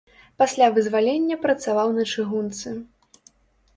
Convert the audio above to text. Пасля вызвалення працаваў на чыгунцы.